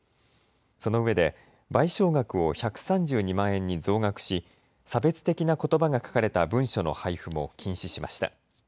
そのうえで賠償額を１３２万円に増額し差別的なことばが書かれた文書の配布も禁止しました。